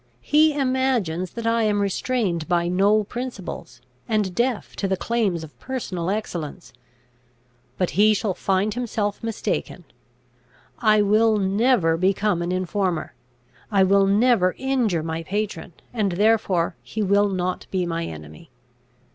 He imagines that I am restrained by no principles, and deaf to the claims of personal excellence. But he shall find himself mistaken. I will never become an informer. I will never injure my patron; and therefore he will not be my enemy.